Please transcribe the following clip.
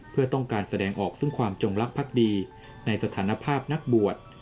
เพื่อต้องการแสดงออกซึ่งความจงลักษ์ดีในสถานภาพนักบวช